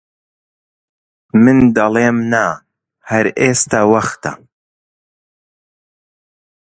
من دەڵێم: نا هەر ئێستە وەختە!